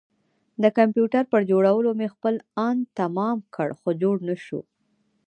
د کمپيوټر پر جوړولو مې خپل ان تمام کړ خو جوړ نه شو.